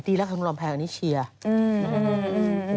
ดีแล้วคุณคุณรอมแพงอันนี้เชียร์